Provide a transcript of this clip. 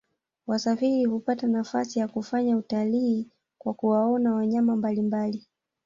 wasafiri hupata nafasi ya kufanya utalii kwa kuwaona wanyama mbalimbali